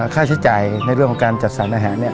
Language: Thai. ค่าใช้จ่ายในการจัดสารอาหาร